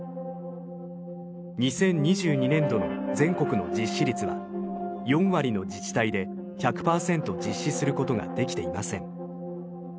２０２２年度の全国の実施率は４割の自治体で１００パーセント実施することができていません。